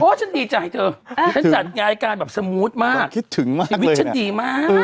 ฉันดีใจเธอฉันจัดรายการแบบสมูทมากคิดถึงมากชีวิตฉันดีมาก